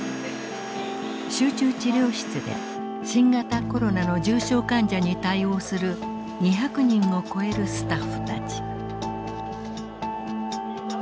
集中治療室で新型コロナの重症患者に対応する２００人を超えるスタッフたち。